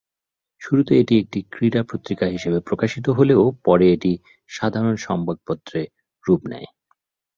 শুরুতে এটি একটি ক্রীড়া পত্রিকা হিসেবে প্রকাশিত হলেও পরে এটি সাধারণ সংবাদপত্রে রুপ নেয়।